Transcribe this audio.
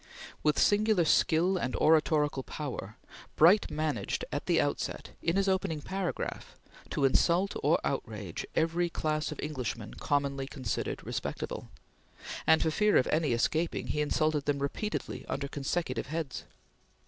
With singular skill and oratorical power, Bright managed at the outset, in his opening paragraph, to insult or outrage every class of Englishman commonly considered respectable, and, for fear of any escaping, he insulted them repeatedly under consecutive heads.